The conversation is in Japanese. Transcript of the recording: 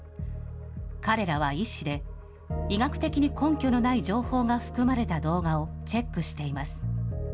彼らは医師で、医学的に根拠のない情報が含まれた動画をチェックしています。